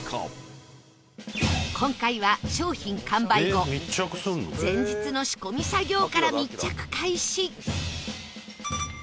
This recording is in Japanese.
今回は商品完売後前日の仕込み作業から密着開始